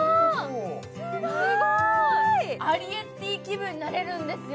アリエッティ気分になれるんですよ